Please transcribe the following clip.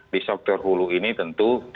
di sektor hulu ini tentu